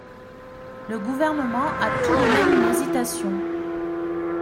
Le Gouvernement a tout de même une hésitation.